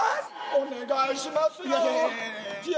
お願いしますよー。